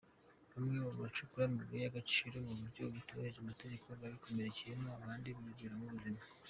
Bamwe mu bacukura amabuye y’agaciro mu buryo butubahirije amategeko babikomerekeramo, abandi babiburiramo ubuzima.